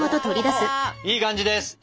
いい感じです。